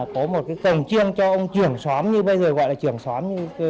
có một cái cổng chiêng cho ông trưởng xóm như bây giờ gọi là trưởng xóm như